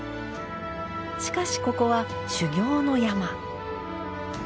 しかしここは修行の山。